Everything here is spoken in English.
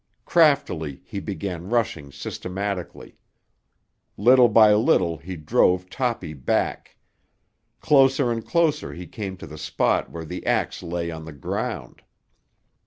Craftily he began rushing systematically. Little by little he drove Toppy back. Closer and closer he came to the spot where the axe lay on the ground.